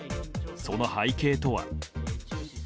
その背景とは？